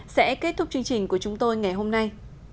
sẽ kết thúc chương trình của chúng tôi ngày hôm nay